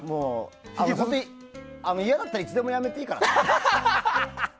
嫌だったらいつでもやめていいからね。